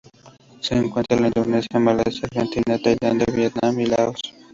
Se encuentra en Indonesia Malasia, Argentina, Tailandia, Vietnam y Laos.